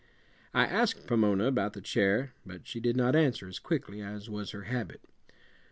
I asked Pomona about the chair, but she did not answer as quickly as was her habit.